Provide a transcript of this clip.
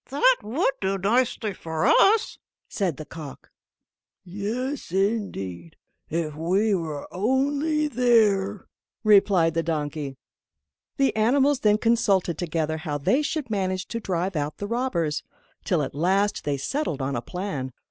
"That would do nicely for us," said the cock. "Yes, indeed, if we were only there," replied the donkey. The animals then consulted together how they should manage to drive out the robbers, till at last they settled on a plan.